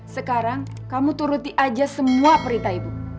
sekarang kamu turuti aja semua perintah ibu